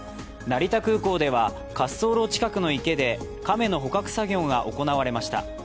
成田空港では滑走路近くの池で亀の捕獲作業が行われました。